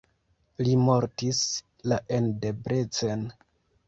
Li mortis la en Debrecen.